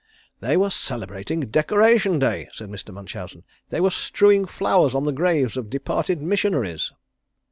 "They were celebrating Decoration Day," said Mr. Munchausen. "They were strewing flowers on the graves of departed missionaries."